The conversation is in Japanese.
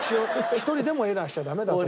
一人でもエラーしちゃダメだと。